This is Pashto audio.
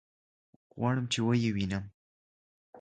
غواړم چې ويې وينم.